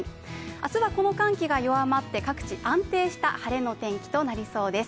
明日はこの寒気が弱まって各地安定した晴れの天気となりそうです。